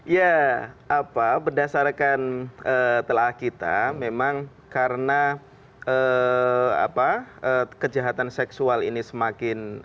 ya apa berdasarkan telah kita memang karena kejahatan seksual ini semakin